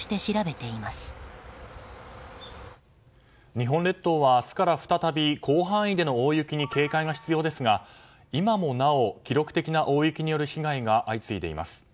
日本列島は明日から再び広範囲での大雪に警戒が必要ですが今もなお、記録的な大雪による被害が相次いでいます。